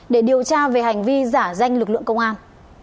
để điều tra về hành vi giả danh lực lượng công an